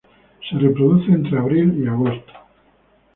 Se reproduce entre abril y agosto.